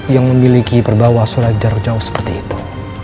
yang memiliki perbawa sholat jarak jauh seperti itu